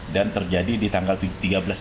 dan terjadi di tanggal kemarin